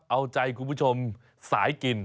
เอาใจคุณผู้ชมสายกิน